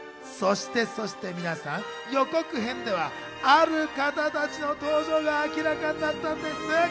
そして皆さん、予告編ではある方たちの登場が明らかになったんです。